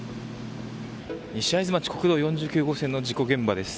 西会津町の国道４９号線の事故現場です。